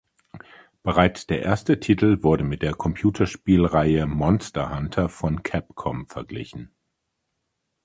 Bereits der erste Titel wurde mit der Computerspielreihe "Monster Hunter" von Capcom verglichen.